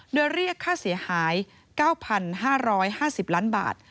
โดยเรียกค่าเสียหาย๙๕๕๐ล้านบาท